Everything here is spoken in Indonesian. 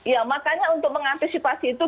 ya makanya untuk mengantisipasi itu